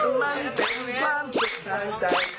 ต้องมั่นติดความสุขทางใจ